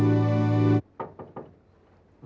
saya akan mencari siapa yang bisa menggoloknya